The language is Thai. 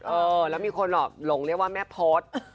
โอ๊ยแล้วมีคนหล่งเรียกว่าไม่เข้าใจดี